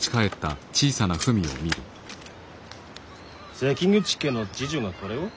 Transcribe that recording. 関口家の侍女がこれを？